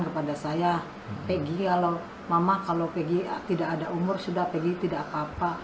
kepada saya pg kalau mama kalau pga tidak ada umur sudah pergi tidak apa apa